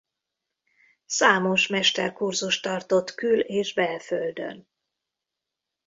Számos mesterkurzust tartott kül- és belföldön.